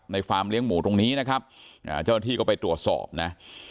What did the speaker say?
ฟาร์มเลี้ยงหมูตรงนี้นะครับเจ้าหน้าที่ก็ไปตรวจสอบนะ